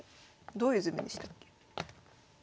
どういう図面でしたっけ？